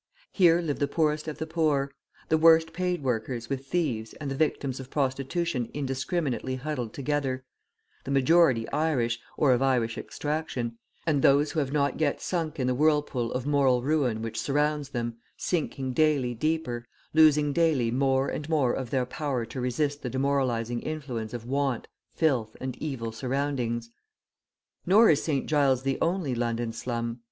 Here live the poorest of the poor, the worst paid workers with thieves and the victims of prostitution indiscriminately huddled together, the majority Irish, or of Irish extraction, and those who have not yet sunk in the whirlpool of moral ruin which surrounds them, sinking daily deeper, losing daily more and more of their power to resist the demoralising influence of want, filth, and evil surroundings. Nor is St. Giles the only London slum.